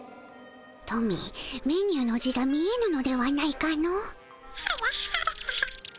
トミーメニューの字が見えぬのではないかの？はわはわ。